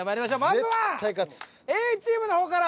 まずはＡチームの方から。